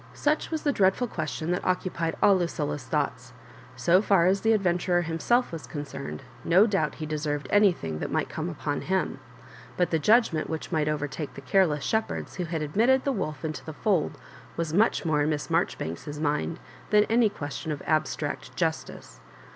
Such was the dreadful question that occupied all Lucilla's thoughts. So far as the adventurer himself was concerned, no doubt he deserved anything that might oome upon him; but the judgment which might overtake the careless shepherds who had admitted the wolf into the fold was much more in Miss Maijoribanks's mind than any question of abstract justice.